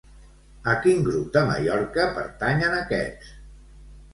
A quin grup de Mallorca pertanyen aquests?